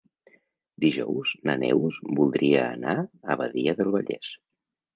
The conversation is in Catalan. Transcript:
Dijous na Neus voldria anar a Badia del Vallès.